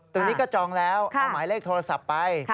ตรงนี้ก็จองแล้วเอาหมายเลขโทรศัพท์ไป